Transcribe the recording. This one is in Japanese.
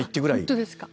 本当ですか？